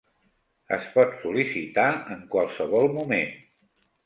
Es pot sol·licitar en qualsevol moment.